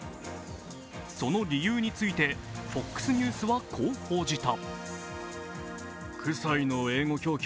その理由についてＦＯＸニュースはこう報じた。